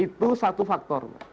itu satu faktor